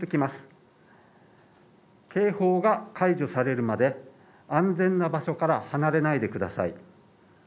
警報が解除されるまで、安全な場所から離れないでください。